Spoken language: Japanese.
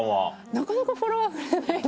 なかなかフォロワー増えない。